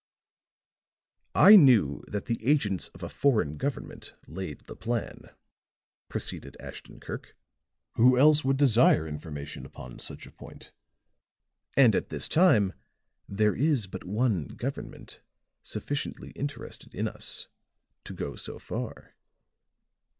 "I knew that the agents of a foreign government laid the plan," proceeded Ashton Kirk. "Who else would desire information upon such a point? And at this time there is but one government sufficiently interested in us to go so far."